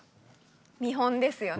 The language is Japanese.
見本ですよね。